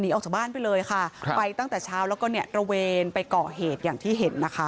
ออกจากบ้านไปเลยค่ะครับไปตั้งแต่เช้าแล้วก็เนี่ยตระเวนไปก่อเหตุอย่างที่เห็นนะคะ